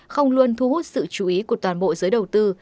không luôn thu hút sự chú ý của toàn bộ giới đầu tư